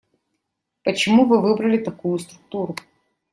Почему вы выбрали такую структуру?